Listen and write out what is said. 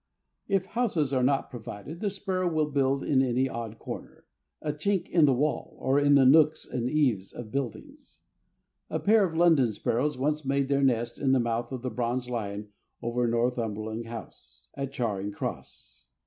If houses are not provided, the sparrow will build in any odd corner a chink in the wall or in the nooks and eaves of buildings. A pair of London sparrows once made their nest in the mouth of the bronze lion over Northumberland House, at Charing Cross.